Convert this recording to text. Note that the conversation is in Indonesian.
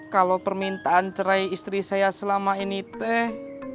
kalau permintaan cerai istri saya selama ini teh